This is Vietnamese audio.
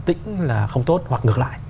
tĩnh là không tốt hoặc ngược lại